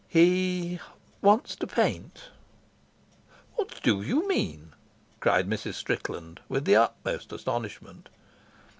"He wants to paint." "What do you mean?" cried Mrs. Strickland, with the utmost astonishment.